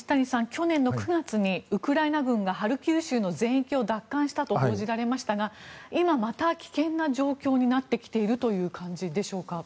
去年の９月にウクライナ軍がハルキウ州の全域を奪還したと報じられましたが今また危険な状況になってきているという感じでしょうか。